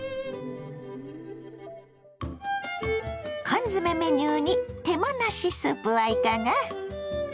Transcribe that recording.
缶詰メニューに手間なしスープはいかが。